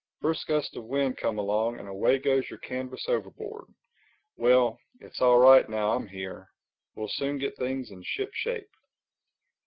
First gust of wind come along, and away goes your canvas overboard—Well, it's all right now I'm here. We'll soon get things in shipshape."